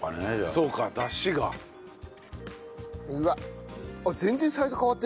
うわっ！